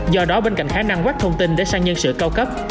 do đó bên cạnh khả năng quét thông tin để sang nhân sự cao cấp